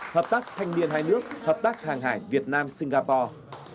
hợp tác thanh niên hai nước hợp tác hàng hải việt nam singapore